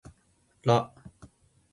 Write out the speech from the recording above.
ら